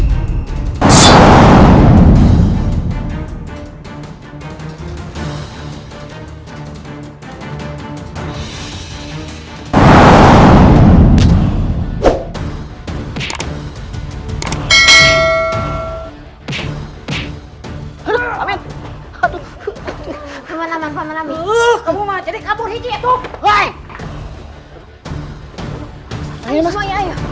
ayo semuanya ibu undang